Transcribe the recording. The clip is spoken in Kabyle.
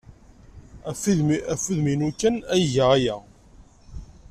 Ɣef wudem-inu kan ay iga aya.